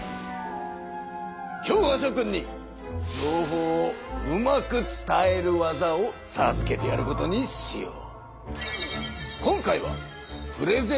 今日はしょ君に情報をうまく伝える技をさずけてやることにしよう。